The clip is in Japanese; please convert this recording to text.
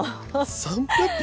３００匹！？